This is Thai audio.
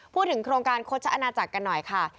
พูดถึงโครงการโคชนาจักรกันหน่อยค่ะ